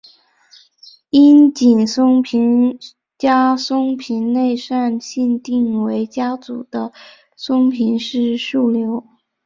樱井松平家松平内膳信定为家祖的松平氏庶流。